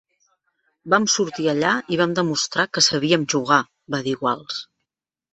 "Vam sortir allà i vam demostrar que sabíem jugar", va dir Walsh.